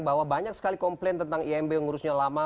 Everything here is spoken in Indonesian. bahwa banyak sekali komplain tentang imb yang ngurusnya lama